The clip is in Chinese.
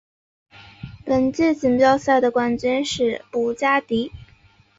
本届锦标赛的冠军是布加迪。